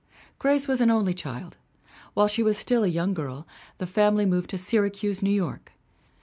Grace was an only child. While she was still a young girl the family moved to Syracuse, New York.